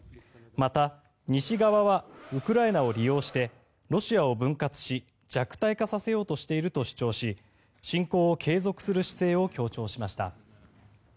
また、西側はウクライナを利用してロシアを分割し弱体化させようとしていると主張し侵攻を継続する姿勢を強調しました。